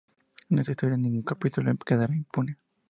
En esta historia ningún capítulo quedará impune.